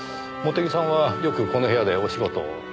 茂手木さんはよくこの部屋でお仕事を？